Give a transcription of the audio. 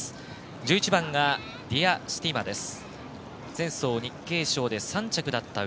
１１番がディアスティマです。